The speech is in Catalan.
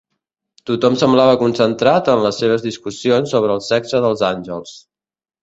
Tothom semblava concentrat en les seves discussions sobre el sexe dels àngels.